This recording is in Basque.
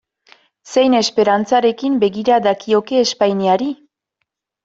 Zein esperantzarekin begira dakioke Espainiari?